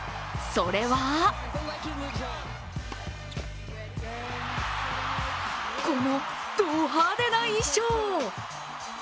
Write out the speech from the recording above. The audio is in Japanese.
それはこのド派手な衣装！